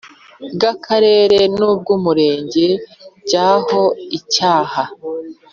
bw Akarere n ubw Umurenge by aho icyaha